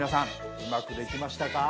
うまくできましたか？